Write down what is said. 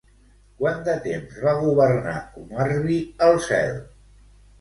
Quant de temps va governar Kumarbi el cel?